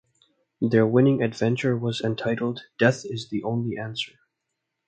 Their winning adventure was entitled "Death Is the Only Answer".